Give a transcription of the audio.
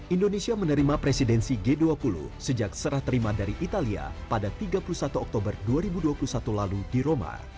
indonesia menerima presidensi g dua puluh sejak serah terima dari italia pada tiga puluh satu oktober dua ribu dua puluh satu lalu di roma